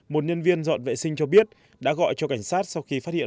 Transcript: một nhân viên dọn vệ sinh cho biết đã gọi cho cảnh sát sau khi phát hiện